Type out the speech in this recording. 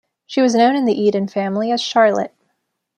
She was known in the Eden family as Charlotte.